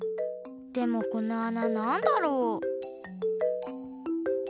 でもこのあななんだろう？